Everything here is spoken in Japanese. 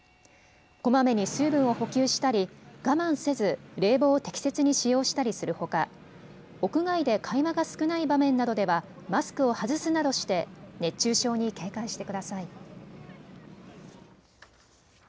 こまめに水分を補給したり我慢せず冷房を適切に使用したりするほか屋外で会話が少ない場面などではマスクを外すなどして熱中症に警戒してください。